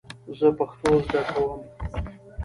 زه پښتو زده کوم .